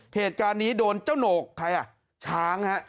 เหตุการณ์นี้โดนเจ้าโหนกใครอ่ะช้างฮะ